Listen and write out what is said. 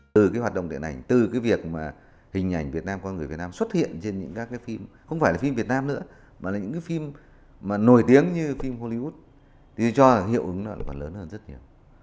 từ cái hoạt động điện ảnh từ cái việc mà hình ảnh việt nam qua người việt nam xuất hiện trên những các cái phim không phải là phim việt nam nữa mà là những cái phim mà nổi tiếng như phim hollywood tôi cho hiệu ứng nó còn lớn hơn rất nhiều